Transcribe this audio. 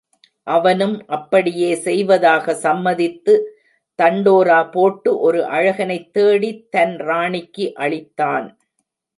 அவனும் அப்படியே செய்வதாக சம்மதித்து தண்டோரா போட்டு ஒரு அழகனைத் தேடித் தன் ராணிக்கு அளித்தான்.